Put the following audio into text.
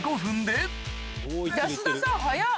安田さん早っ。